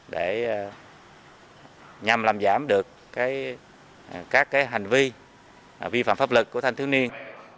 để nhằm làm giảm được các hành vi vi phạm pháp lực của thanh thiếu niên